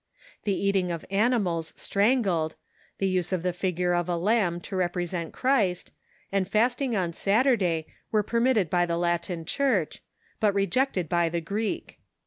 The eating of animals strangled, the use of the figure of a lamb to represent Christ, and fasting on Satur day were permitted by the Latin Church, but rejected by the Greek.